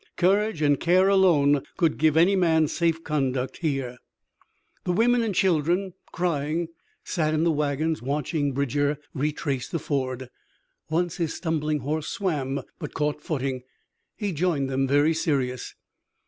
Courage and care alone could give any man safe conduct here. The women and children, crying, sat in the wagons, watching Bridger retrace the ford. Once his stumbling horse swam, but caught footing. He joined them, very serious.